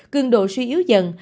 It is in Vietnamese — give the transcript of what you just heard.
cường độ suy yếu dần